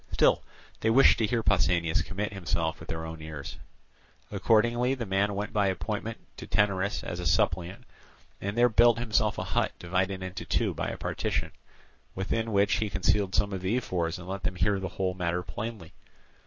Still, they wished to hear Pausanias commit himself with their own ears. Accordingly the man went by appointment to Taenarus as a suppliant, and there built himself a hut divided into two by a partition; within which he concealed some of the ephors and let them hear the whole matter plainly.